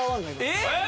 えっ！